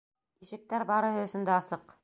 Ишектәр барыһы өсөн дә асыҡ.